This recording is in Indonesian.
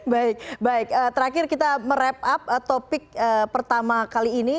baik baik terakhir kita merep up topik pertama kali ini